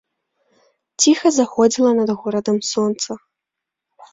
Ціха заходзіла над горадам сонца.